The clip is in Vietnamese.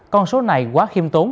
con số này quá khiêm tốn